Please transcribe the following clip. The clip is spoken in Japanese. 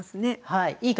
はい。